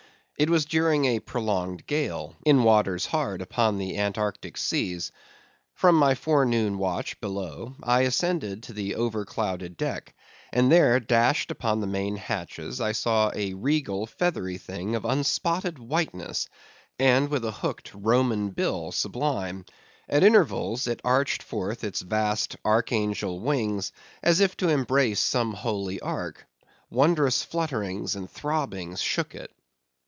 It was during a prolonged gale, in waters hard upon the Antarctic seas. From my forenoon watch below, I ascended to the overclouded deck; and there, dashed upon the main hatches, I saw a regal, feathery thing of unspotted whiteness, and with a hooked, Roman bill sublime. At intervals, it arched forth its vast archangel wings, as if to embrace some holy ark. Wondrous flutterings and throbbings shook it.